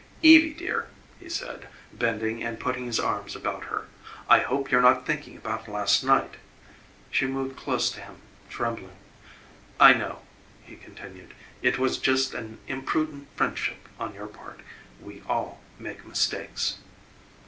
"Evie, dear," he said, bending and putting his arms about her, "I hope you're not thinking about last night " She moved close to him, trembling. "I know," he continued, "it was just an imprudent friendship on your part. We all make mistakes."